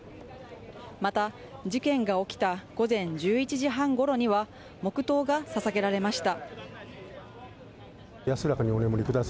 また事件が起きた午前１１時半ごろには黙とうが捧げられました。